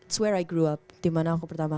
is where i grew up dimana aku pertama